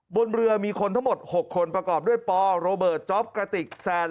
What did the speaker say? บนเรือมีคนทั้งหมด๖คนประกอบด้วยปอโรเบิร์ตจ๊อปกระติกแซน